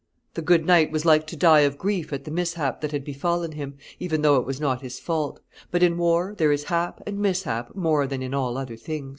The good knight was like to die of grief at the mishap that had befallen him, even though it was not his fault; but in war there is hap and mishap more than in all other things."